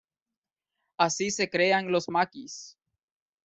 Así se crean los Maquis.